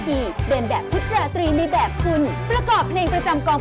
ปลดอาหารไว้ชิคกี้พายผอมจริงแล้วแต่ไม่มีแรง